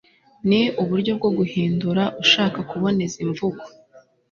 ni uburyo bwo guhindura ushaka kuboneza imvugo